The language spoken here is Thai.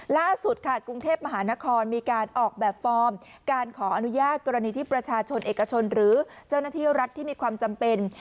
ล่าสุดค่ะกรุงเทพมหานครมีการออกแบบฟอร์มการขออนุญาตกรณีที่ประชาชนเอกชนหรือเจ้าหน้าที่รัฐที่มีความจำเป็น